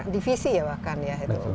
divisi ya bahkan ya